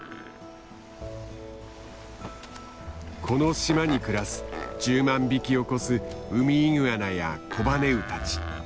この島に暮らす１０万匹を超すウミイグアナやコバネウたち。